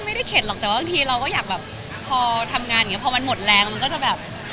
ไม่ได้เข็ดหรอกแต่ว่าบางทีเราก็อยากแบบพอทำงานอย่างเงี้พอมันหมดแรงมันก็จะแบบ